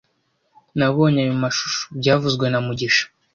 Nabonye aya mashusho byavuzwe na mugisha